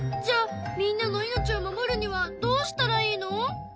じゃみんなの命を守るにはどうしたらいいの？